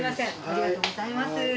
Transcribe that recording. ありがとうございます。